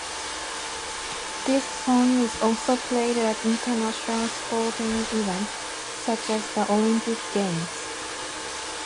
This song is also played at international sporting events such as the Olympic Games.